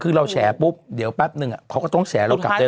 คือเราแชร์ปุ๊บเดี๋ยวแป๊บหนึ่งเขาก็ต้องแชร์เรากลับได้แล้ว